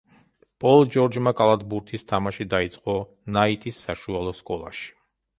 პოლ ჯორჯმა კალათბურთის თამაში დაიწყო ნაიტის საშუალო სკოლაში.